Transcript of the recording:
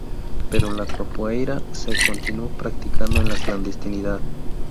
Pero la "Capoeira" se continuó practicando en la clandestinidad.